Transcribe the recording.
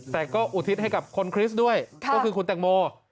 แต่ก็อุทิศให้กับคนคริสต์ด้วยก็คือคุณแตงโม